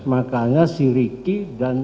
makanya si ricky dan